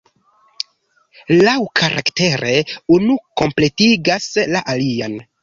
Laŭkaraktere unu kompletigas la alian.